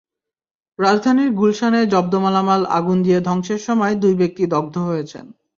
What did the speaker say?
রাজধানীর গুলশানে জব্দ মালামাল আগুন দিয়ে ধ্বংসের সময় দুই ব্যক্তি দগ্ধ হয়েছেন।